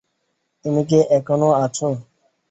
তুমি কি এখনও আছো?